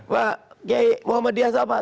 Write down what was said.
pak kiai muhammad dias apa